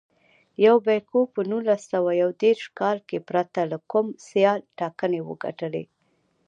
یوبیکو په نولس سوه یو دېرش کال کې پرته له کوم سیاله ټاکنې وګټلې.